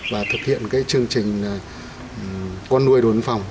và thực hiện chương trình con nuôi đồn biên phòng